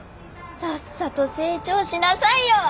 さっさと成長しなさいよ！